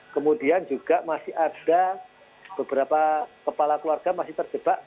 kemudian juga masih ada beberapa kepala keluarga masih terjebak